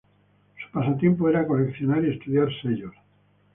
Su pasatiempo era coleccionar y estudiar sellos.